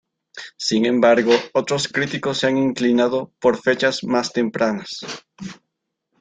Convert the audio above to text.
Sin embargo, otros críticos se han inclinado por fechas más tempranas.